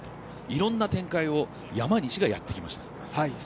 いろんな展開を山西がやってきました。